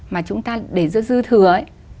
mà chúng ta để dơ dư thừa ấy